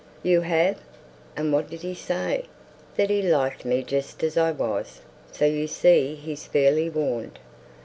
"You have! and what did he say?" "That he liked me just as I was; so you see he's fairly warned.